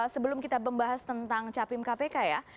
sebelum kita membahas tentang capim kpk ya